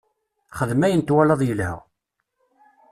Xdem ayen twalaḍ yelha.